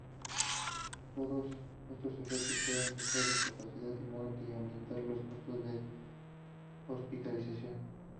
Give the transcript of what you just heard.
Todos estos efectos pueden causar discapacidad y muerte, y aumentar los costos de hospitalización.